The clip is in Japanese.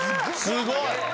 すごい！